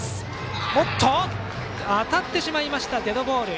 おっと、当たってしまいましたデッドボール。